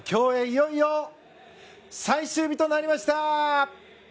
いよいよ最終日となりました。